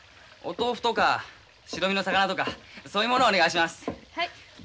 お豆腐とか白身の魚とかそういうものをお願いします。